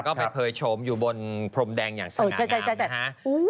ก็ไปเผยชมอยู่บนพรมแดงอย่างสง่างามนะครับ